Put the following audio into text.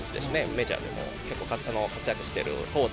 メジャーでも結構活躍してる。